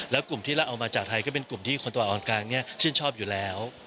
แล้วกลุ่มที่เราเอามาจากไทยก็เป็นกลุ่มที่คนตะวันออกกลางชื่นชอบอยู่แล้ว